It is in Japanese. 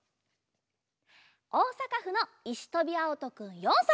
おおさかふのいしとびあおとくん４さいから。